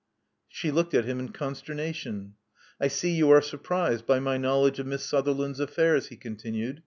She looked at him in consternation. I see you are surprised by my knowledge of Miss Suther land's affairs," he continued.